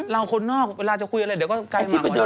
เราคนนอกเวลาจะคุยอะไรเดี๋ยวก็ใกล้มากกว่าเรา